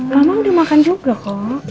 kamu udah makan juga kok